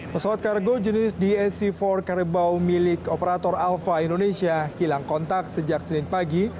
pesawat kargo jenis dac empat kerbau milik operator alpha indonesia hilang kontak sejak senin pagi